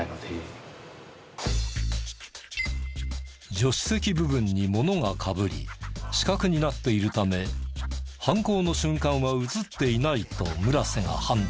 助手席部分にものがかぶり死角になっているため犯行の瞬間は映っていないと村瀬が判断。